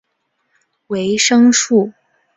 维生素。